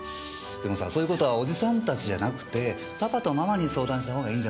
でもさそういう事はおじさんたちじゃなくてパパとママに相談したほうがいいんじゃないかな？